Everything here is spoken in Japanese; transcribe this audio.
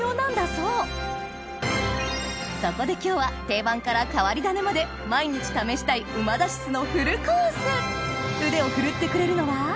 そこで今日は定番から変わり種まで毎日試したい腕を振るってくれるのは？